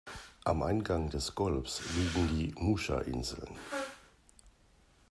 Am Eingang des Golfs liegen die Musha-Inseln.